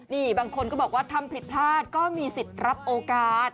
นี่บางคนก็บอกว่าทำผิดพลาดก็มีสิทธิ์รับโอกาส